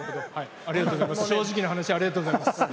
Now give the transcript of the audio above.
正直な話ありがとうございます。